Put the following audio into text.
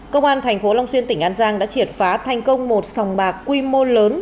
công an thành phố long xuyên tỉnh an giang đã triệt phá thành công một sòng bạc quy mô lớn